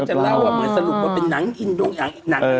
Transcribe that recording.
เขาจะเล่าเหมือนสรุปว่าเป็นหนังอินดุงอย่างอีกหนังนี้